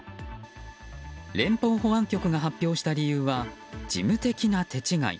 連邦保安局が発表した理由は事務的な手違い。